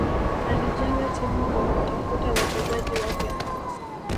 Alijenga timu kwa kutafuta wachezaji wapya